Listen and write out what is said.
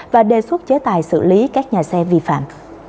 và đề xuất chế tài xử lý các nhà xe vi phạm